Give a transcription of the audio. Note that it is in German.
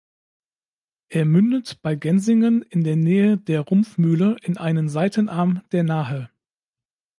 Er mündet bei Gensingen in der Nähe der Rumpf-Mühle in einen Seitenarm der "Nahe".